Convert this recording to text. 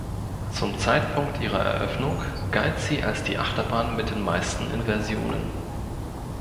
Zum Zeitpunkt ihrer Eröffnung galt sie als die Achterbahn mit den meisten Inversionen.